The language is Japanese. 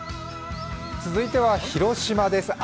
続いては広島です。